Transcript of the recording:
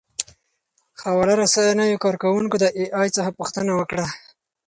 خواله رسنیو کاروونکو د اې ای څخه پوښتنه وکړه.